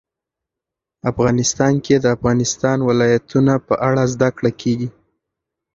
افغانستان کې د د افغانستان ولايتونه په اړه زده کړه کېږي.